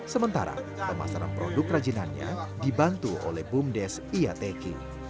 sementara pemasaran produk kerajinannya dibantu oleh bumdes iateki